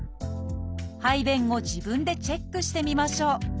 排便後自分でチェックしてみましょう。